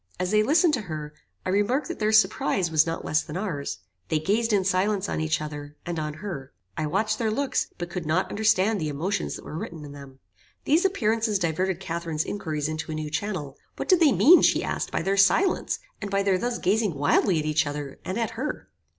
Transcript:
As they listened to her, I remarked that their surprize was not less than ours. They gazed in silence on each other, and on her. I watched their looks, but could not understand the emotions that were written in them. These appearances diverted Catharine's inquiries into a new channel. What did they mean, she asked, by their silence, and by their thus gazing wildly at each other, and at her?